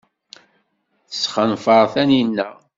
Tesxenfer Taninna.